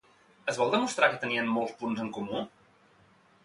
Es vol demostrar que tenien molts punts en comú?